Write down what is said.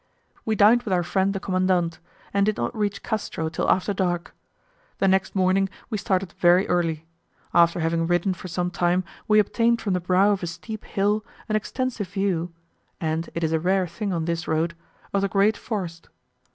We dined with our friend the commandant, and did not reach Castro till after dark. The next morning we started very early. After having ridden for some time, we obtained from the brow of a steep hill an extensive view (and it is a rare thing on this road) of the great forest.